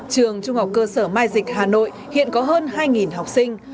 trường trung học cơ sở mai dịch hà nội hiện có hơn hai học sinh